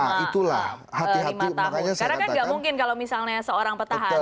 karena kan gak mungkin kalau misalnya seorang petahana